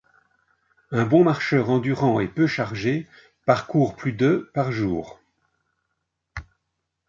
Un bon marcheur endurant et peu chargé parcourt plus de par jour.